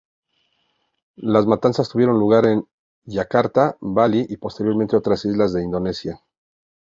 Las matanzas tuvieron lugar en Yakarta, Bali y posteriormente otras islas de Indonesia.